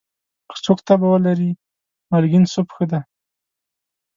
که څوک تبه ولري، مالګین سوپ ښه دی.